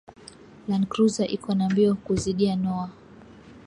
Land cruser iko na mbio kuzidia noah